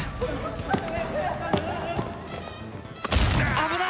危ない！